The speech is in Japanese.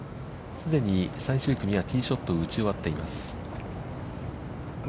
既に最終組はティーショットを打ち終わっています。